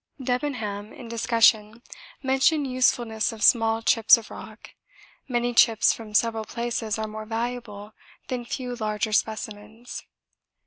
Debenham in discussion mentioned usefulness of small chips of rock many chips from several places are more valuable than few larger specimens.